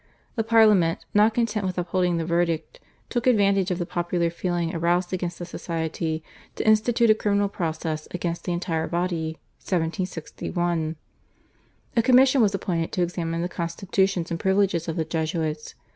The Parliament, not content with upholding the verdict, took advantage of the popular feeling aroused against the Society to institute a criminal process against the entire body (1761). A commission was appointed to examine the constitutions and privileges of the Jesuits.